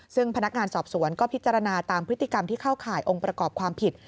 ซึ่งพนักงานสอบสวนก็พิจารณาตามพฤติกรรมที่เข้าข่ายองค์ประกอบความผิด